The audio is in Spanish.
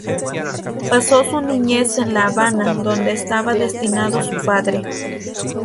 Pasó su niñez en La Habana, donde estaba destinado su padre.